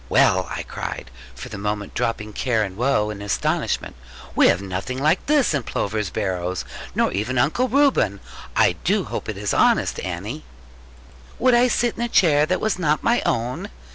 'Well!' I cried, for the moment dropping care and woe in astonishment: 'we have nothing like this at Plover's Barrows; nor even Uncle Reuben. I do hope it is honest, Annie?' 'Would I sit in a chair that was not my own?'